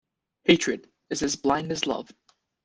Hatred is as blind as love.